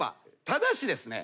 ただしですね